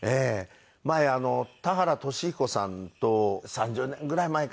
前田原俊彦さんと３０年ぐらい前かな。